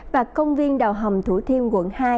và công viên đầu hầm thủ thiêm quận hai